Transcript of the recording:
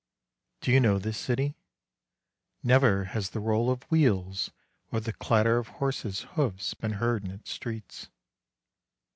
Do you know this city? Never has the roll of wheels or the clatter of horses' hoofs been heard in its streets.